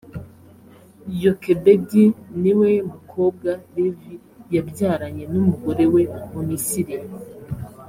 yokebedi niwe mukobwa levi yabyaranye n’umugore we mu misiri.